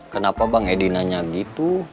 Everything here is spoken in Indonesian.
kenapa bang edi nanya gitu